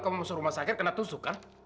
kamu masuk rumah sakit kena tusuk kan